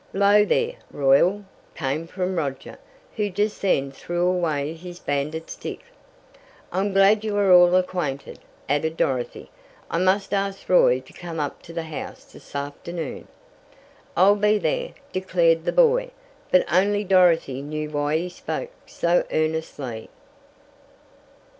"'Low there, Royal!" came from Roger, who just then threw away his bandit stick. "I'm glad you are all acquainted," added Dorothy. "I must ask Roy to come up to the house this afternoon." "I'll be there!" declared the boy, but only Dorothy knew why he spoke so earnestly.